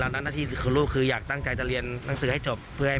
แล้วเรียนขี้เล่นแล้วมันกลายเป็นหง่อยไปเลย